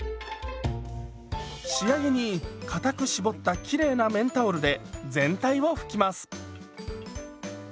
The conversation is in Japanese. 仕上げにかたく絞ったきれいな綿タオルで全体を拭きます。